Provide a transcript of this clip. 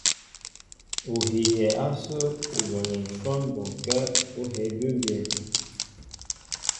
Ú hiyɛ ásə̄ ú bonɛ́ ǹshwɔ́n bɔnkɛ́ ú hēē bʉ́mbyɛ́.